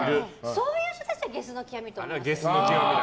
そういう人たちはゲスの極みと思いますよ。